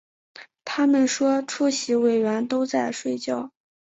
他们说出席委员都在睡觉